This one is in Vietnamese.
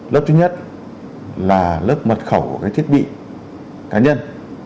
lớp thứ nhất là lớp mật khẩu của cái thiết bị cá nhân